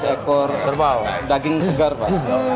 enam ratus ekor daging segar pak